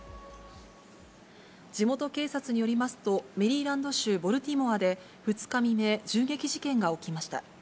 地元警察によりますと、メリーランド州ボルティモアで２日未明、銃撃事件が起きました。